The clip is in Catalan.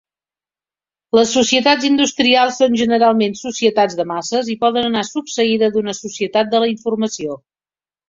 Les societats industrials són generalment societats de masses i poden anar succeïda d'una societat de la informació.